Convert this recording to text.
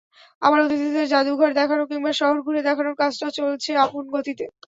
আবার অতিথিদের জাদুঘর দেখানো, কিংবা শহর ঘুরে দেখানোর কাজটাও চলছে আপন গতিতে।